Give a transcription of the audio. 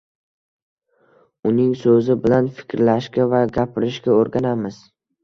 Uning So‘zi bilan fikrlashga va gapirishga o‘rganamiz.